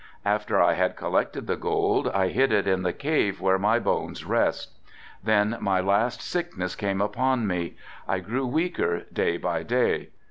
After I had collected the gold I hid it in the cave where my bones rest. Then my last sickness came upon me. I grew weaker day by day.